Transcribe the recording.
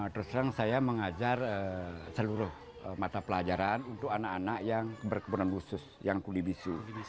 terus terang saya mengajar seluruh mata pelajaran untuk anak anak yang berkebunan khusus yang kuli bisu